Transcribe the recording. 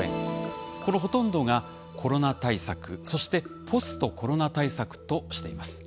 このほとんどがコロナ対策そしてポストコロナ対策としています。